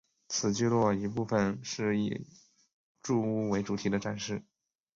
此聚落一部份是以住屋为主题的展示。